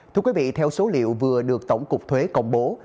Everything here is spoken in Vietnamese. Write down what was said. thưa quý vị theo số liệu vừa được tổng cục thuế công bố